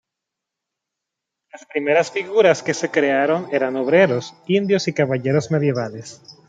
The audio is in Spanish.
Las primeras figuras que se crearon eran obreros, indios y caballeros medievales.